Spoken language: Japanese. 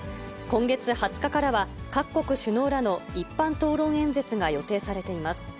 今月２０日からは、各国首脳らの一般討論演説が予定されています。